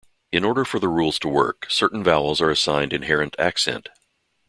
In order for the rules to work, certain vowels are assigned inherent accent.